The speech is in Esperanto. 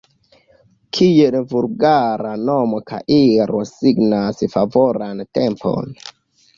Kiel vulgara nomo kairo signas favoran tempon.